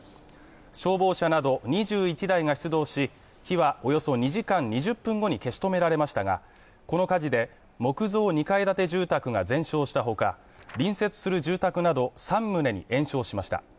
消防車など２１台が出動し、火はおよそ２時間２０分後に消し止められましたがこの火事で木造２階建て住宅が全焼したほか隣接する住宅など３棟に延焼しました。